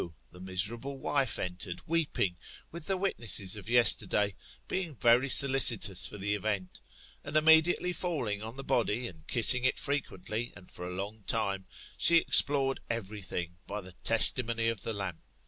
the miserable wife entered, weeping, with the witnesses of yes terday, being very solicitous for the event ; and, immediately falling on the body, and kissing it frequently^ and for a long time she explored everything by the testimony of the lamp.